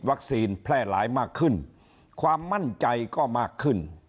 แพร่หลายมากขึ้นความมั่นใจก็มากขึ้น